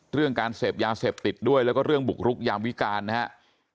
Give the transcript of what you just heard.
เรื่องการเสพยาเสพติดด้วยแล้วก็เรื่องบุกรุกยามวิการนะครับ